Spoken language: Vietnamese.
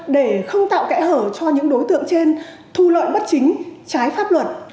để không tạo kẽ hở cho những đối tượng trên thu lợi bất chính trái pháp luật